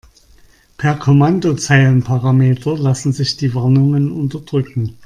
Per Kommandozeilenparameter lassen sich die Warnungen unterdrücken.